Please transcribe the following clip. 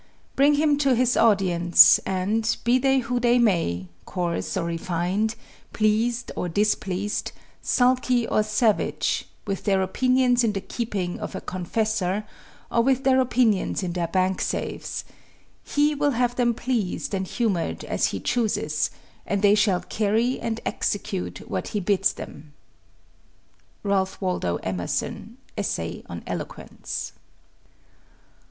Bring him to his audience, and, be they who they may, coarse or refined, pleased or displeased, sulky or savage, with their opinions in the keeping of a confessor or with their opinions in their bank safes, he will have them pleased and humored as he chooses; and they shall carry and execute what he bids them. RALPH WALDO EMERSON, Essay on Eloquence.